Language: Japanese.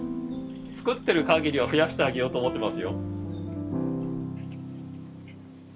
作ってる限りは増やしてあげようと思ってますよ。